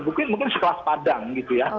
mungkin sekelas padang gitu ya